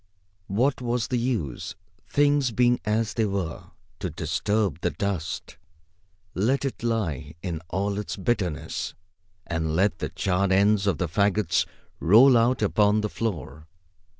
What was the use, things being as they were, to disturb the dust? Let it lie in all its bitterness. And let the charred ends of the fagots roll out upon the floor.